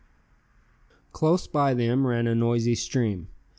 Close by them ran a noisy stream.